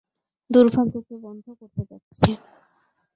দুর্ভাগ্যকে বন্ধ করতে যাচ্ছি।